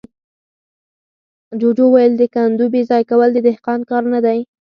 جوجو وويل: د کندو بېځايه کول د دهقان کار نه دی.